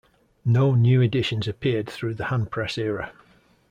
No new editions appeared through the handpress era.